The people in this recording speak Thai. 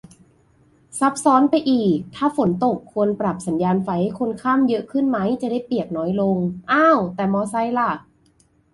ซับซ้อนไปอีก ถ้าฝนตก ควรปรับสัญญานไฟให้คนข้ามเยอะขึ้นไหม จะได้เปียกน้อยลง อ้าว แต่มอไซค์ล่ะ